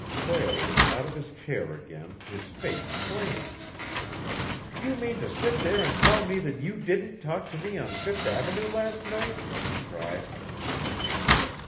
Prale was out of his chair again, his face flaming. "You mean to sit there and tell me that you didn't talk to me on Fifth Avenue last night?" he cried.